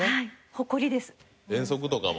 誇りです。